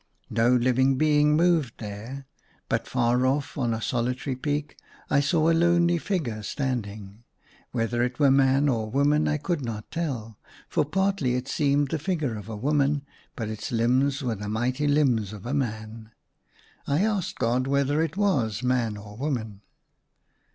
No living being moved there ; but far off on a solitary peak I saw a lonely figure standing. Whether it were man or woman I could not tell ; for partly it seemed the figure of a woman, but its limbs were the mighty limbs of a man. I asked God whether it was man or woman.